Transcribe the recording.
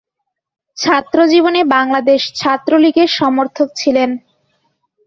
ছাত্র জীবনে বাংলাদেশ ছাত্রলীগের সমর্থক ছিলেন।